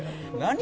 「何？